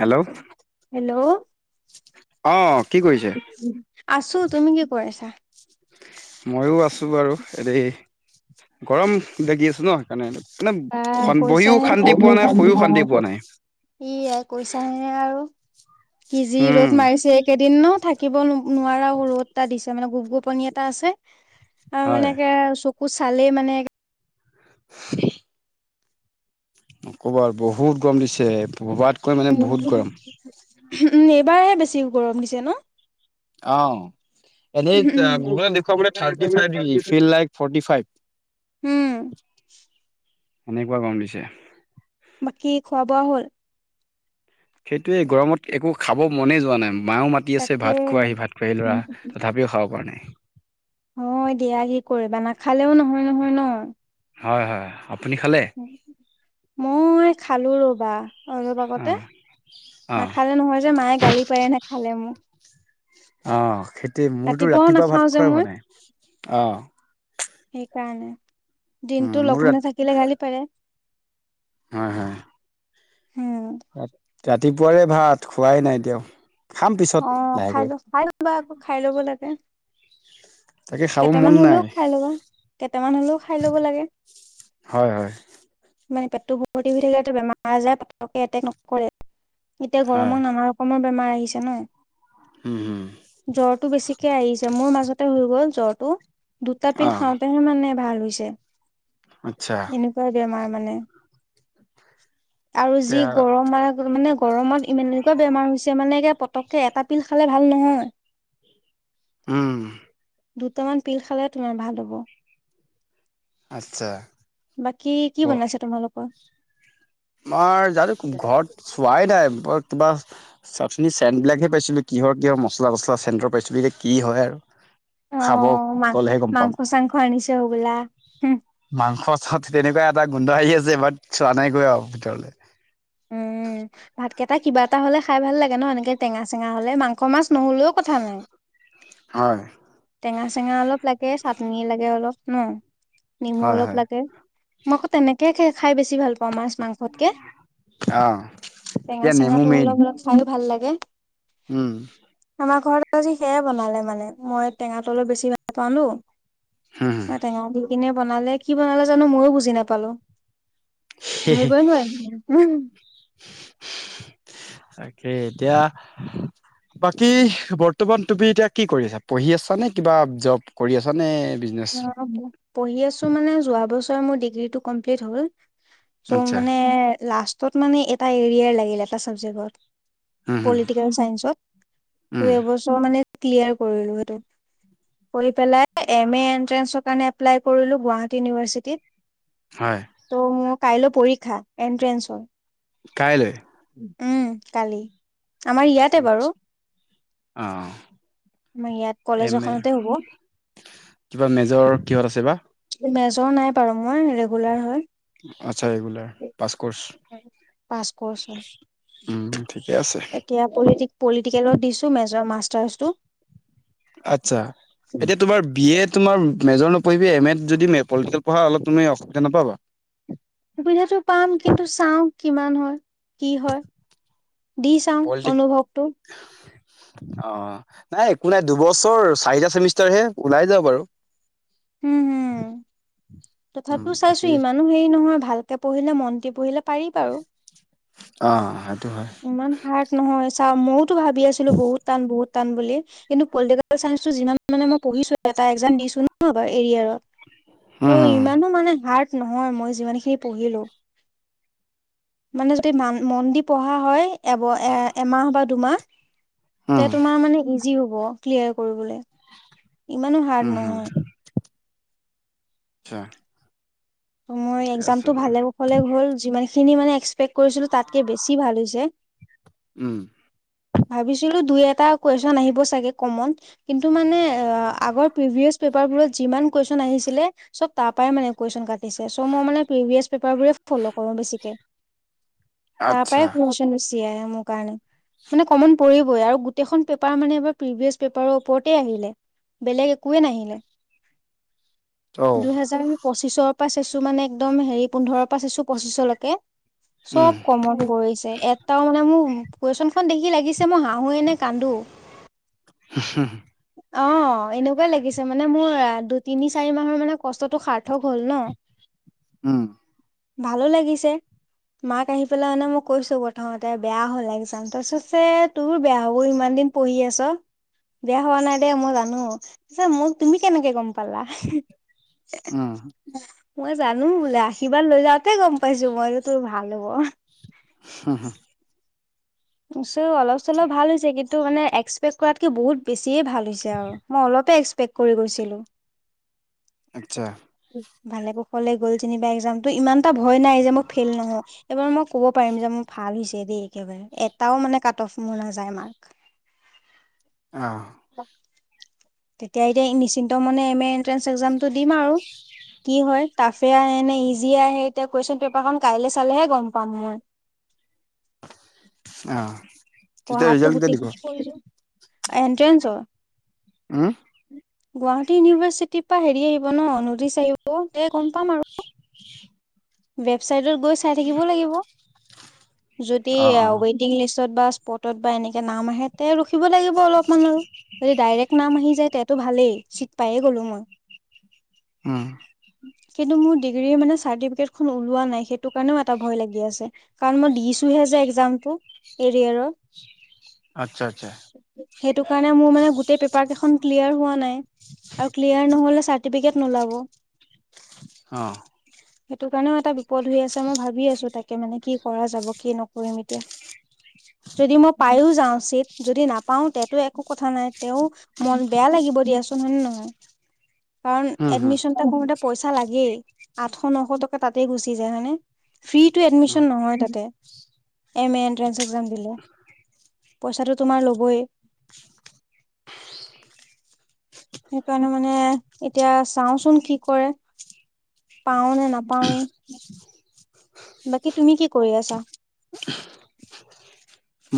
Hello hello অ কি কৰিছে? আছো তুমি কি কৰি আছা? মইয়ো আছো বাৰু এনেই, গৰম লাগি আছে ন। সেইকাৰণে বা মানে বহিও কৈছাহে শান্তি পোৱা নাই শুয়ো শান্তি পোৱা নাই ই আই কৈছাহে আৰু কি যি উম ৰ'দ মাৰিছে এই কেইদিন থা কিব নোৱাৰা ৰ'দ এটা দি আছে মানে গোপ গোপনি এটা আছে আৰু হয় এনেকে চ কু চালেই মানে [unintelligible] নকবা আৰু বহুত গৰম দিছে ভবাত উম উম এইবাৰহে বেছি গৰম দিছে ন অ এনেই গুগলত দেখুৱাবলৈ thirty five degree feel like forty five um এনেকোৱা গৰম দিছে বাকী খোৱা বোৱা হ'ল সেইটোৱে গৰমত একো খাব মনে যোৱা নাই মাও মা তি আছে তাকে ভাত খোৱাহি ভাত খোৱাহি ল'ৰা তথাপিও খাব পৰা নাই। হয় দিয়া কি কৰিবা নাখালেও নহয় নহয় ন হয় হয় আপুনি খালে? মই খালো ৰবা অলপ অ আগতে অ নাখালে নহয় যে মায়ে গালি পাৰে নেখালে মোক অ সেইটোয়ে মোৰতো ৰাতিপুৱাও ৰাতিপুৱা নাখাও ভাত যে খোৱাই মই হোৱা নাই অ সেইকাৰণে উম, দিনটো মোৰ ৰাত লঘোণে থাকিলে গালি পাৰে হয় হয় উম ৰাতিপুৱাৰে ভাত খোৱাই নাই এতিয়াও। খাম পিছত অ খাই লাহেকৈ লোৱা খাই লোৱা আকৌ খাই ল'ব লাগে। তাকে খাব মন কেইটামান নাই হলেও খাই ল'বা কেইটামান হলেও খাই ল'ব লাগে। হয় হয় মানে পেটটো ভৰ্তি হৈ থাকে, বেমাৰ আজাৰ পটকে এটেক নকৰে, এতিয়া হয়। গৰমত নামাৰ কমৰ বেমাৰ আহিছে ন। হম। জ্বৰটো বেছিকে আহিছে, মোৰ মাজতে হৈ গ'ল জ্বৰটো, দুটা পিল অ' খা তেঁহে মানে ভাল হৈছে। আচ্ছা। পোৰা বেমাৰ মানে, আৰু যি এতিয়া গৰম ম মই মানে গৰমত ইমান এনেকুৱা বেমাৰ হৈছে মানে এ পটককে এটা পিল খালে ভাল নহয়। উম। দুটামান পিল খালে তোমাৰ ভাল হ'ব। আচ্ছা। বাকী কি বনাইছে তোমালোকৰ? আমাৰ জানো, ঘৰত চোৱাই নাই [unintelligible] চাকচোনি চেণ্ট বিলাকহে পাইছিলো কিহৰ কিহৰ মছলা তছলা চেণ্টৰ পাইছিলো, এতিয়া কি হয় আৰু। খাব অ', মা গ'লেহে গম পাম। মাংস চাংস আনিছে হ'বোলা, উম মাংস চা তেনেকুৱা এটা গোন্ধ আহি আছে, বাট চোৱা নাইগৈ আৰু ভিতৰলৈ। উম, ভাতকেইটা কিবা এটা হ'লে খাই ভাল লাগে ন, এনেকে টেঙা চেঙা হ'লে মাংস মাছ নহ'লেও কথা নাই। হয়। টেঙা চেঙা অলপ লাগে, চাটনি লাগে অলপ ন, নেমু হয় অলপ হয় লাগে। মই আকৌ তেনেকে খাই বেছি ভাল পাওঁ, মাছ-মাংস কে, অ' টেঙা এতিয়া নেমু চেঙাটো মেইন অলপ অলপ খাইয়ো ভাল লাগে। উম। আমাৰ ঘৰত আজি সেয়াই বনালে মানে মই টেঙাত অলপ বেছি ভাল হুম, [unintelligible] টেঙা দি কিনে বনালে, কি বনালে জানো ময়ো বুজি নাপালো। ধৰিবই নোৱাৰিলোঁ। তাকে এতিয়া বাকী বৰ্তমান তুমি এতিয়া কি কৰি আছা, পঢ়ি আছা নে কিবা জব কৰি আছ নে বিজনেছ? [inaudible] পঢ়ি আছোঁ মানে যোৱা বছৰ মোৰ ডিগ্ৰীটো কমপ্লিট হ'ল, চ আচ্ছা, মানে লা তত মানে এটা এৰিয়াৰ লাগিল, এটা ছাবজেক্টত উম, হুম, পলিটিকেল চাইন্সত। ত উম, এবছৰ মানে ক্লিয়াৰ কৰিলো সেইটো, কৰি পেলাই এম এ এন্ট্ৰেঞ্চৰ কাৰণ এপলাই কৰিলো গুৱাহাটী ইউনিভাৰ্চিটিত। হয়। ত' মোৰ কাইলৈ পৰীক্ষা এন্ট্ৰেন্ঞ্চৰ। কাইলৈ? উম, কালি। আমাৰ ইয়াতে বাৰু। অ'। মোৰ ইয়াত এম কলেজ এ এখনতে হ'ব। কিবা মেজৰ কিহত আছে বা? মেজৰ নাই বাৰো মোৰ, ৰেগুলাৰ হয়। আচ্ছা, ৰেগুলাৰ পাছক'ৰ্চ। পাছ কৰ্চ হয়। উম ঠিকে আছে। এতিয়া পলিটিক পলিটিকেলত দিছো মেজ মাষ্টাৰ্চটো। আচ্ছা এতিয়া তোমাৰ বি এড তোমাৰ মেজৰ নপঢ়ি এম এত যদি ম পলিটিকেল পঢ়া অলপ তুমি অসুবিধা নাপাবা? অসুবিধাটো পাম কিন্তু চাওঁ কিমান হয় কি হয়। দি চাওঁ পলিটিক অনুভৱটো। অ নাই একো নাই দুবছৰ চাৰিটা চেমিষ্টাৰ হে ওলাই যাবা বাৰু। উম হম, উম, তথাপিও চাইছোঁ বাকী ইমান ইমানো হেৰি নহয় ভালকে পঢ়িলে মনদি পঢ়িলে পাৰি বাৰু। অ সেইটো হয়। ইমান হাৰ্ড নহয়, চাওঁ মইয়োতো ভাবি আছিলোঁ বহুত টান বহুত টান বুলি। কিন্তু পলিটিকেল চাইন্সটো যিমান মানে মই পঢ়িছো এটা এক্সাম দিছো ন বাৰু এৰিয়াৰৰ। ত' উম, ইমানো মানে হাৰ্ড নহয় মই যিমান খিনি পঢ়িলো। মানে যদি ম মন দি পঢ়া হয়, এব এ এমাহ বা দুমাহ তে উম, তোমাৰ মানে ইজি হব ক্লিয়াৰ কৰিবলে, ইমানো হাৰ্ড উম, হম, নহয়। আচ্ছা। মোৰ ঠিকে আছে এক্সজামটো বাৰু। ভালে কৌশলে হ'ল যিমান খিনি মানে এক্সপেক্ট কৰিছিলোঁ তাতকে বেছি ভাল হৈছে। উম। ভাবিছিলোঁ দুই এটা কুৱেশন আহিব চাগে কমন, কিন্তু মানে আগৰ প্ৰিভিয়াছ পে পেপাৰবোৰত যিমান কুৱেশচন আহিছিলে চব তাৰ পৰাই মানে কুৱেচন কাটিছে চ' মই মানে প্ৰিভিয়াছ পেপাৰ বোৰে ফল' কৰো বেছিকে। তাৰ আচ্ছা পৰাই কুৱেশচন বেছি আহে মোৰ কাৰণে। মানে কমন পৰিবই আৰু গোটেইখন পেপাৰ মানে এবাৰ প্ৰিভিয়াছ পেপাৰৰ ওপৰতেই আহিলে। বেলেগ একোৱে নাহিলে। ত' দুহেজাৰ আমি পঁচিছৰ পৰা চাইছোঁ মানে একদম হেৰি পোন্ধৰৰ পৰা চাইছোঁ পঁচিছলৈকে। চব উম, কমন কৰিছে এটাও মানে মোক কুৱেশন খন দেখি লাগিছে মই হাঁহোৱে নে কান্দো। হা হা অ এনেকুৱাই লাগিছে মানে মোৰ এ দুই তিনি চাৰি মাহৰ মানে কষ্টটো সাৰ্থক হল ন। [unintelligible] উম ভালো লাগিছে। মাক আহি পেলাই মানে মই কৈছো প্ৰথমতে বেয়া হ'ল এক্সজাম তাৰ পিছত যে তোৰ বেয়া হ'ব ইমান দিন পঢ়ি আছ। বেয়া হোৱা নাই দে মই জানো, পিছে মোক তুমি কেনেকে গম পালা। উম মই জানো বোলে আশীৰ্বাদ লৈ যাওঁতে গম পাইছো মই যে তোৰ ভাল হ'ব। হা হা মই কৈছোঁ অলপ চলপ ভাল হৈছে কিন্তু টো মানে এক্সপেক্ট কৰাতকৈ বহুত বেছিয়ে ভাল হৈছে আৰু মই অলপে এক্সপেক্ট কৰি গৈছিলোঁ। [unintelligible] আচ্ছা। ভালে কৌশলে গ'ল যেনিবা এক্সামটো ইমান এটা ভয় নাই যে মই ফেইল নহও। এইবাৰ মই কব পাৰিম যে মোৰ ভাল হৈছে দেই একেবাৰে এটাও মানে কাট অফ মোৰ নাযায় মাৰ্ক। অ। [inaudible] তেতিয়া এতিয়া নিশিন্ত মনে এম এ এণ্ট্ৰেন্স এক্জামটো দিম আৰু। কি হয় টাফে আহে নে ইজিয়ে আহে এতিয়া কুৱেশ্যন পেপাৰখন কাইলৈ চালেহে গম পাম মই। অ' তেতিয়া ৰিজাল্ট কেতিয়া দিব? এণ্ট্ৰেন্সৰ। উম। গুৱাহাটী ইউনিভাৰ্চিটিৰ পৰা হেৰি আহিব ন নটিশ আহিব [unintelligible] গম পাম আৰু। [inaudible] ৱেবচাইটত গৈ চাই থাকিব লাগিব যদি অ', এয়া অ', ৱেইট। ৱেটিং লিষ্টত বা স্পৰ্টত বা এনেকে নাম আহে তে ৰখিব লাগিব অলপমান আৰু। যদি ডাইৰেক্ট নাম আহি যায় তেতিয়াতো ভালেই চিট পায়ে গ'লো মই। উম। কিন্তু মোৰ ডিগ্ৰীৰ মানে চাৰ্টিফিকেট ওলোৱা নাই সেইটো কাৰণেও এটা ভয় লাগি আছে কাৰণ মই দিছোহে যে একজামটো। এৰিয়াৰৰ। আচ্ছা আচ্ছা। সেইটো কাৰণে মোৰ মানে গোটেই পেপাৰ কেইখন ক্লিয়াৰ হোৱা নাই। আৰু ক্লিয়াৰ নহলে চাৰ্টিফিকেট নোলাব। অঁ। সেইটো কাৰণেও এটা বিপদ হৈ আছে মই ভাবি আছো তাকে মানে কি কৰা যাব কি নকৰিম এতিয়া। যদি মই পায়ো যাওঁ চিত যদি নাপাও তেতো একো কথা নাই তেওঁ মন বেয়া লাগিব দিয়াচোন হয়নে নহয়। কাৰণ হম, হম, এডমিশনটা কৰোতে পইচা লাগেই আঠশ নশ টকা তাতেই গুচি যায় হয়নে। ফ্ৰীটো হম, এডমিশন নহয় তাতে এম এ এনট্ৰেঞ্চ এক্সাম দিলে। পইচাটো তোমাৰ ল'বয়ে। সেইকাৰণে মানে এতিয়া চাওচোন কি কৰে পাও নে নাপাওৱেই। বাকি তুমি কি কৰি আছা?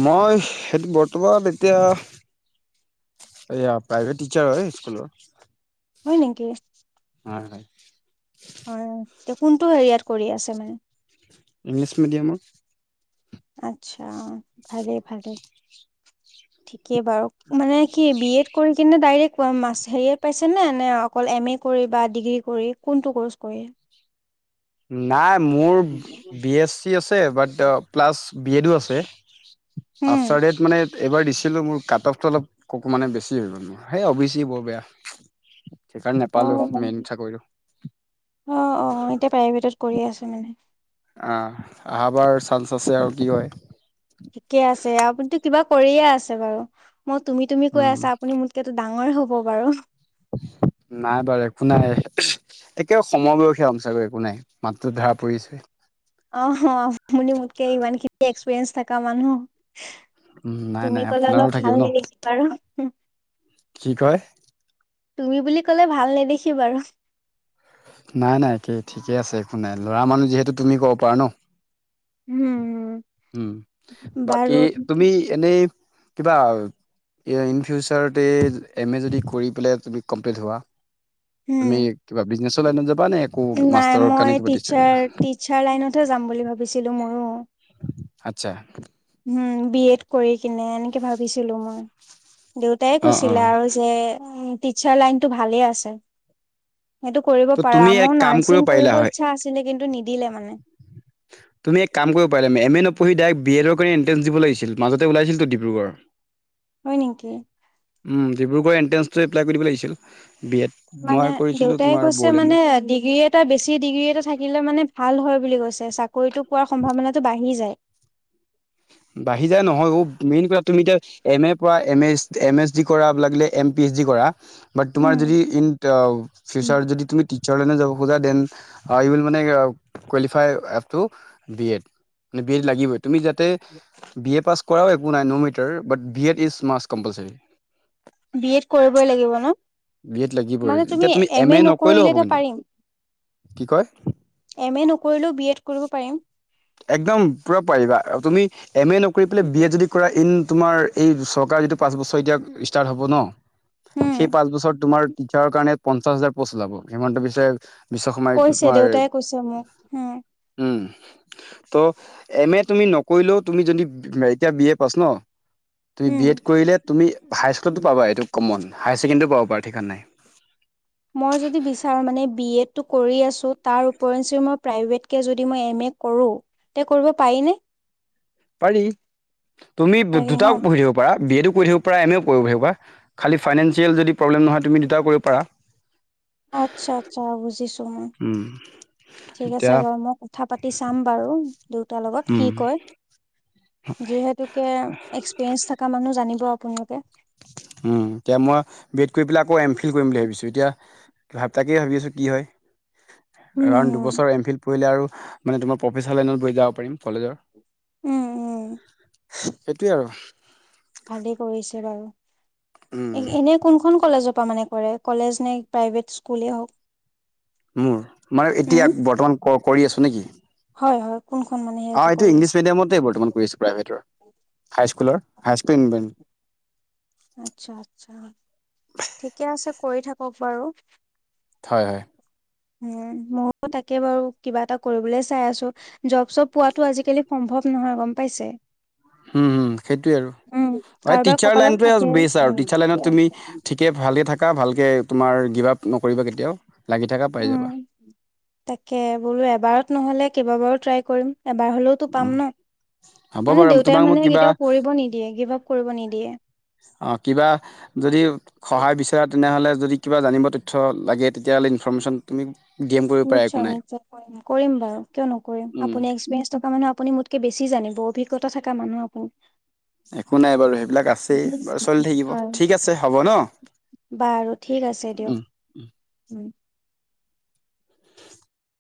মই সেইটো বৰ্তমান এতিয়া। এইয়া প্ৰাইভেট টিচাৰ হয় স্কুলৰ। হয় নেকি? হয় হয়। হয়। এ', কোনটো এৰিয়াত কৰি আছে মানে? ইংলিছ মিডিয়ামত। আচ্ছা। ভালে ভালে। [unintelligible] কে বাৰু। মানে সি বি এড কৰি কিনে ডাইৰেক্ট অ', মাচ হেৰিয়োত পাইছে নে, নে অক- কল এম এ কৰি বা ডিগ্ৰী কৰি, কোনটো কোৰ্চ কৰি? নাই মোৰ, বি এছ চি আছে বাট প্লাচ বি এডও আছে। উম অফটাৰ ডেত মানে এইবাৰ দিছিলোঁ মোৰ কাট‌-অফটো অলপ ক' মানে বেছি হৈ গ'ল মোৰ। সেই অ বি ছি বৰ বেয়া। সেইকাৰণে নেপালোঁ মেইন চাকৰিটো। অহ, অহ। এতিয়া প্ৰাইভেটত কৰি আছে মানে। আহ', অহা বাৰ চান্স আছে আৰু কি হয়। ঠিকে আছে। আপুনিতো কিবা কৰিয়ে আছে বাৰু। মই তুমি তুমি কৈ উম আছা, আপুনি মোক এতিয়াতো ডাঙৰে হ'ব বাৰু। নাই বাৰু, একো নাই। একে সময়বয়সীয়া হম চাগে, একো নাই। মাতটো ধৰা পৰিছে। অ', হ'। মোলে, মোতকে ইমানখিনি এক্সপিৰিয়েঞ্চ থাকা মানুহ। উম নাই তুমি নাই ক'লে আপোনাৰো অলপ, থাকিব ভাল ন নেদেখিবা আৰু। কি কয়? তুমি বুলি ক'লে, ভাল নেদেখি বাৰু। নাই নাই একে ঠিকে আছে, একো নাই। ল'ৰা মানুহ যিহেতু, তুমি ক'ব পাৰা ন'। উম উম, বাৰু বাকী তুমি এনেই কিবা য়ে ইন ফিউচাৰতে, এম এ যদি কৰি পেলাই তুমি কমপ্লিট হোৱা। উম তুমি কিবা বিজনেছৰ লাইনত যাবা নে? একো নাই, মাষ্টাৰৰ মই কাৰণে কিবা কৰিবা টিচাৰ টিচাৰ লাইনতহে যাম বুলি ভাবিছিলোঁ মইও। আচ্ছা। উম, বি এত কৰি কিনে, এনেকে ভাবিছিলোঁ মই। দেউতাই অ অ কৈছিলে আৰু যে উম, টিচাৰ লাইনটো ভালে আছে। সেইটো কৰিব ত পাৰা। তুমি এক মোৰ কাম নাৰ্ছিং পাৰিলা কৰিব হয় ইচ্ছা আছিলে, কিন্তু নিদিলে মানে। [inaudible] তুমি এক কাম কৰিব পাৰিলা। [unintelligible] মে এম এ নপঢ়ি ডাইৰেক্ট বি এডৰ কৰি এণ্ট্ৰেন্স দিব লাগিছিল। মাজতে ওলাইছিলটো ডিব্ৰুগড়। হয় নেকি? উম, ডিব্ৰুগড় এণ্ট্ৰেন্সটো এপ্লাই কৰি দিব লাগিছিল। B Ed. মানে, মই কৰিছিলোঁ দেউতাই তোমাৰ কৈছে মানে বড়োলেণ্ডৰ। আ', ডিগ্ৰী এটা বেছি ডিগ্ৰী এটা থাকিলে মানে ভাল হয় বুলি কৈছে। চাকৰিটো পোৱাৰ সম্ভাৱনাটো বাঢ়ি যায়। বাঢ়ি যায় নহয় অ। মেইন কথা তুমি এতিয়া এম এ পৰা, এম এ চ, এম এচ ডি কৰা, লাগিলে এম পি এইচ ডি কৰা। বাট তোমাৰ উম। যদি ইন আ', ফিউচাৰত যদি তুমি টিচাৰ লাইনে যাব খোজা। দেন আই ৱিল মানে অ', qualify up to B Ed. মানে বি এড লাগিবই। তুমি যাতে বি এ পাছ কৰাও একো নাই no matter. But B Ed is must compulsory. B Ed কৰিবই লাগিব ন'? বি এড লাগিবই। মানে এতিয়া তুমি এম এ নকৰিলেও নকৰিলে হ'ব এতিয়া কিন্তু। পাৰিম। কি কয়? এম এ নকৰিলেও, বি এড কৰিব পাৰিম? একদম পুৰা পাৰিবা। আৰু তুমি এম এ নকৰি পেলাই বি এড যদি কৰা। ইন তোমাৰ, এই চৰকাৰ যিটো পাঁচ বছৰ এতিয়া ষ্টাৰ্ট হ'ব ন'। উম। সেই পাঁচ বছৰ তোমাৰ টিচাৰৰ কাৰণে পঞ্চাশ হাজাৰ পষ্ট ওলাব। হিমন্ত বিশ্বেই বিশ্ব শৰ্মাই এইটো কৈছে তোমাৰ এই, দেউতাই কৈছে মোক হম উম। ত', এম এ তুমি নকৰিলেও তুমি যদি, এতিয়া বি এ পাছ ন'? তুমি উম বি এড কৰিলে তুমি হাইস্কুলতো পাবা, এইটো কমন। হায় ছেকেণ্ডেৰীও পাব পাৰা ঠিকাণ নাই। মই যদি বিচাৰোঁ মানে বি এডটো কৰি আছোঁ। তাৰ উপৰিঞ্চি মই প্ৰাইভেটকে যদি মই এম এ কৰো তে, কৰিব পাৰি নে? পাৰি। তুমি পাৰি ন দুটাও পঢ়ি থাকিব পাৰা। বি এডো কৰি থাকিব প্ৰায় এমও কৰিব। [unintelligible] খালী ফাইনেন্সিয়েল যদি প্ৰব্লেম নহয়, তুমি দুটাও কৰিব পাৰা। আচ্ছা আচ্ছা বুজিছো মই। উম ঠিক আছে এতিয়া বাৰু মও কথা পাতি চাম বাৰু দেউতাৰ লগত। কি উম কয়? যিহেতুকে এক্সপিৰিয়েঞ্চ থাকা মানুহ জানিব আপুনালোকে। উম, এতিয়া মই বি এড কৰি পেলাই আকৌ এম ফিল কৰিম বুলি ভাবিছোঁ। এতিয়া [unintelligible] তাকেই ভাবি আছোঁ। কি হয়? উম এৰাউণ্ড দুবছৰ এম ফিল পঢ়িলে আৰু মানে তোমাৰ প্ৰফেচাৰ লাইনত পঢ়ি যাব পাৰিম কলেজৰ উম উম সেইটোৱে আৰু ভালেই কৰিছে বাৰু, উম, এ এনেই কোনখন কলেজৰ পা মানে কৰে কলেজ নে প্ৰাইভেট স্কুলেই হওক মোৰ, মানে উম এতিয়া বৰ্তমান ক, কৰি আছো নেকি? হয়, হয়, কোনখন মানে সেই অ, পৰা এইটো কৰি ইংলিছ আছে মিডিয়ামতেই বৰ্তমান কৰিছো। প্ৰাইভেটৰ, হাইস্কুলৰ হাইস্কুল ইনভেন্ট আচ্ছা-আচ্ছা ঠিকে আছে কৰি থাকক বাৰু হয়, হয়। উম, মইয়ো তাকে বাৰু কিবা এটা কৰিবলে চাই আছো। জব চব পোৱাটো আজিকালি সম্ভৱ নহয় গম পাইছে। হুম হুম, সেইটোৱে আৰু, উম হয় কাৰোবাৰ টিচাৰ কপালত থাকে লাইনটোৱে বেচ আৰু টিচাৰ লাইনত তুমি ঠিকে ভালে থাকা ভালকে তোমাৰ গিভ আপ নকৰিবা কেতিয়াও লাগি থকা পাই যাবা। উম তাকে বোলো এবাৰত নহ'লে কেইবাবাৰো ট্ৰাই কৰিম এবাৰ হলেও, টো পাম উম, ন, হ'ব মানে বাৰু তোমাক দেউতাই মই মানে কিবা কেতিয়াও পৰিব নিদিয়ে গিভ আপ কৰিব নিদিয়ে। অ, কিবা যদি সহায় বিচৰা তেনেহ'লে যদি কিবা জানিব তথ্য লাগে, তেতিয়াহ'লে ইনফৰ্মেশ্যন তুমি গেম বৰ্ড নিশ্চয়-নিশ্চয় কৰিম, কৰিম বাৰু কিয় নকৰিম, উম আপুনি এক্সপিৰিয়েঞ্চ থকা মানুহ আপুনি মোত কে বেছি জানিব অভিজ্ঞা থকা মানুহ আপুনি। একো নাই বাৰু সেইবিলাক আছেই বাৰু চলি থাকিব হয় ঠিক আছে হ'ব ন। বাৰু ঠিক আছে উম দিয়ক, উম। উম।